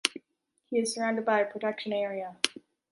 He is surrounded by a protection area.